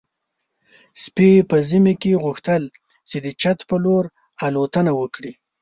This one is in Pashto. سپي په ژمي کې غوښتل چې د چت په لور الوتنه وکړي.